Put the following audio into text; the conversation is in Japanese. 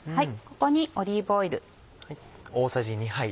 ここにオリーブオイル。